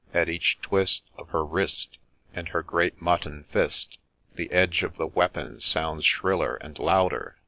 — At each twist Of her wrist, And her great mutton fist, The edge of the weapon sounds shriller and louder